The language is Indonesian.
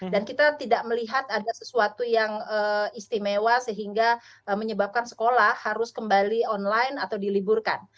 dan kita tidak melihat ada sesuatu yang istimewa sehingga menyebabkan sekolah harus kembali online atau diliburkan